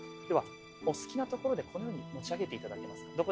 ではお好きなところでこのように持ち上げていただけますか？